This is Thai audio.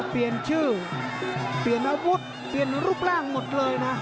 เปลี่ยนชื่อเปลี่ยนอาวุธเปลี่ยนรูปร่างหมดเลยนะ